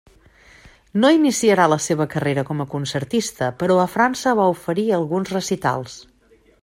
No iniciarà la seva carrera com a concertista però a França va oferir alguns recitals.